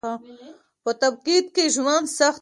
په تبعيد کې ژوند سخت و.